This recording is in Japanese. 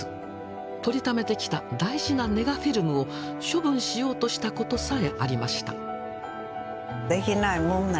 撮りためてきた大事なネガフィルムを処分しようとしたことさえありました。